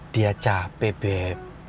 dia capek beb